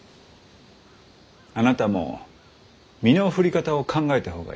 あなたも身の振り方を考えた方がいい。